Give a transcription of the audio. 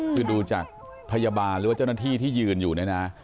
คือดูจากพยาบาลหรือว่าเจ้าหน้าที่ที่ยืนอยู่เนี่ยนะ